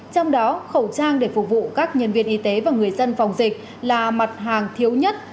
trong đó khẩu trang để phục vụ các nhân viên y tế và người dân phòng dịch là mặt hàng thiếu nhất